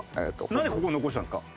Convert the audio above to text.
なんでここを残したんですか？